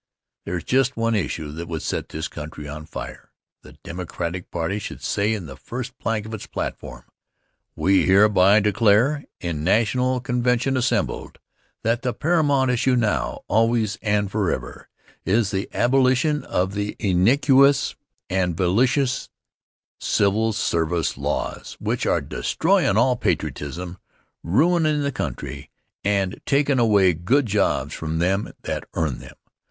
There's just one issue that would set this country on fire. The Democratic party should say in the first plank of its platform: "We hereby declare, in national convention assembled, that the paramount issue now, always and forever, is the abolition of the iniquitous and villainous civil service laws which are destroyin' all patriotism, ruin in' the country and takin' away good jobs from them that earn them.